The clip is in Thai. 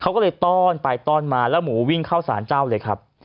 เขาก็เลยต้อนไปต้อนมาแล้วหมูวิ่งเข้าสารเจ้าเลยครับ